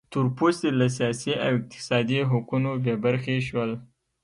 تور پوستي له سیاسي او اقتصادي حقونو بې برخې شول.